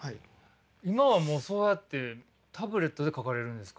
今はもうそうやってタブレットで描かれるんですか？